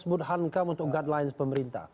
untuk guidelines pemerintah